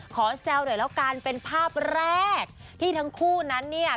ขอเซลล์เลยนะคะเป็นภาพแรกที่ทั้งคู่นั้นนะ